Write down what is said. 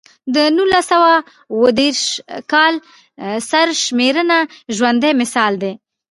د نولس سوه اووه دېرش کال سرشمېرنه ژوندی مثال دی.